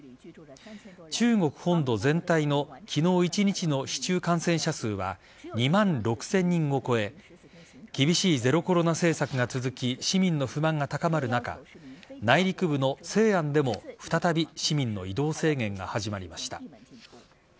中国本土全体の昨日一日の市中感染者数は２万６０００人を超え厳しいゼロコロナ政策が続き市民の不満が高まる中内陸部の西安でも再び市民の移動制限が始まりました。